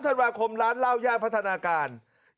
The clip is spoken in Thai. ธันวาคมร้านเหล้าย่านพัฒนาการ